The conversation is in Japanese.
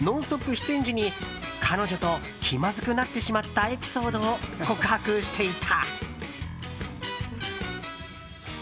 出演時に彼女と気まずくなってしまったエピソードを告白していた。